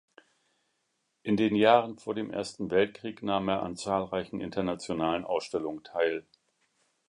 In den Jahren vor dem Ersten Weltkrieg nahm er an zahlreichen internationalen Ausstellungen teil.